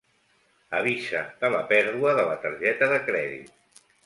Avisa de la pèrdua de la targeta de crèdit.